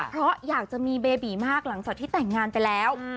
เพราะอยากจะมีเบบีมากหลังจากที่แต่งงานไปแล้ว